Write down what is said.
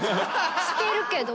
してるけど？